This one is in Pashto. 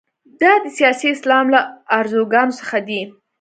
دا د سیاسي اسلام له ارزوګانو څخه دي.